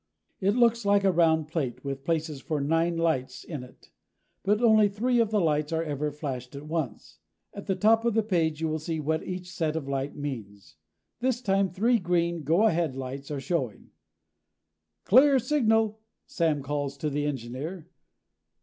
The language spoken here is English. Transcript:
It looks like a round plate, with places for nine lights in it. But only three of the lights are ever flashed at once. At the top of the page you will see what each set of lights means. This time three green go ahead lights are showing. "Clear signal," Sam calls to the engineer.